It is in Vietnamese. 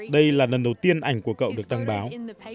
đây là lần đầu tiên ảnh của cậu được đăng báo